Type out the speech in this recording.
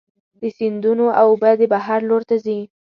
د سیندونو اوبه د بحر لور ته ځي.